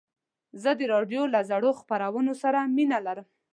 زه د راډیو له زړو خپرونو سره مینه لرم.